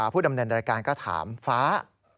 ผู้ดำเนินรายการก็ถามฟ้า